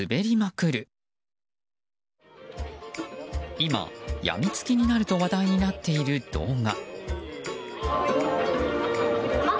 今、やみつきになると話題になっている動画。